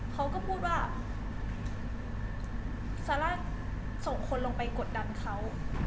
เขาก็พูดว่าซาร่าส่งคนลงไปกดดันเขา